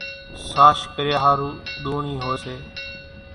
ساش ڪريا ۿارُو ۮونڻِي هوئيَ سي۔